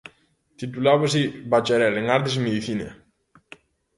Titulábase bacharel en Artes e Medicina.